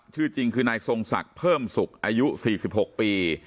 ชื่อจริงคือนายทรงศักดิ์เพิ่มสุขอายุ๔๖ปี